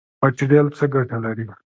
پټیدل څه ګټه لري؟